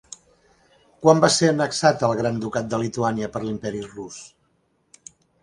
Quan va ser annexat el Gran Ducat de Lituània per l'Imperi Rus?